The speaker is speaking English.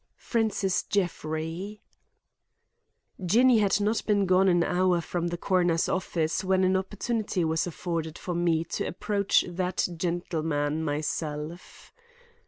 FRANCIS JEFFREY Jinny had not been gone an hour from the coroner's office when an opportunity was afforded for me to approach that gentleman myself.